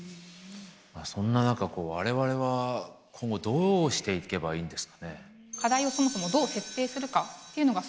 まあそんな中我々は今後どうしていけばいいんですかね？